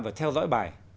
phải theo dõi bài